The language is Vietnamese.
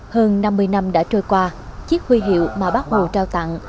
hơn năm mươi năm đã trôi qua chiếc huy hiệu mà bác hồ trao tặng